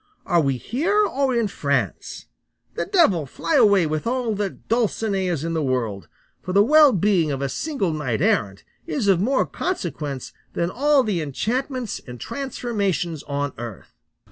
Are we here or in France? The devil fly away with all the Dulcineas in the world; for the well being of a single knight errant is of more consequence than all the enchantments and transformations on earth."